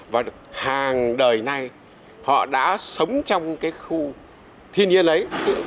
và hàng đời nay họ đã sống trong cái khu thiên nhiên ấy